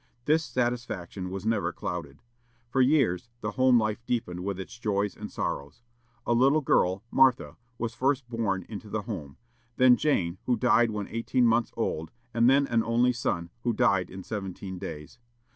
This satisfaction was never clouded. For years, the home life deepened with its joys and sorrows. A little girl, Martha, was first born into the home; then Jane, who died when eighteen months old, and then an only son, who died in seventeen days.